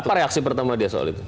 apa reaksi pertama dia soal itu